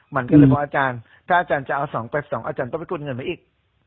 หล่นกันเลยเพราะอาจารย์ถ้าอาจารย์จะเอา๒๘๒อาจารย์ก็กดเงินไปอีก